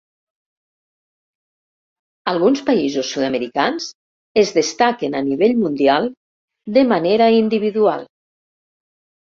Alguns països sud-americans es destaquen a nivell mundial de manera individual.